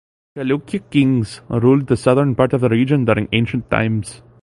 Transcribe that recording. Chalukya kings ruled the southern part of region during ancient times.